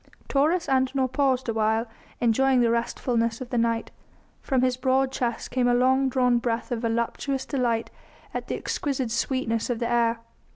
Taurus Antinor paused awhile, enjoying the restfulness of the night; from his broad chest came a long drawn breath of voluptuous delight at the exquisite sweetness of the air.